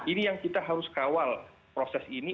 ini yang kita harus kawal proses ini